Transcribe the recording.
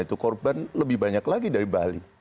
itu korban lebih banyak lagi dari bali